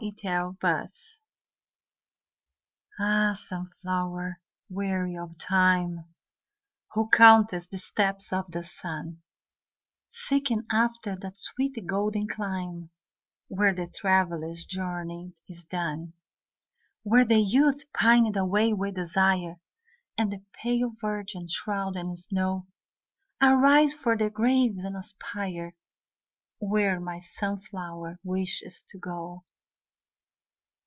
2 Autoplay Ah Sunflower, weary of time, Who countest the steps of the sun; Seeking after that sweet golden clime Where the traveller's journey is done; Where the Youth pined away with desire, And the pale virgin shrouded in snow, Arise from their graves, and aspire Where my Sunflower wishes to go!